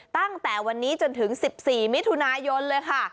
ตั้งแต่วันนี้จนถึง๑๔มิถุนายนเลยค่ะ